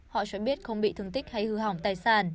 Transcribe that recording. họ sẽ biết không bị thương tích hay hư hỏng tài sản